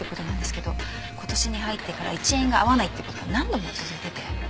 今年に入ってから１円が合わないって事が何度も続いてて。